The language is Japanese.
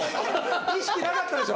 意識なかったでしょ？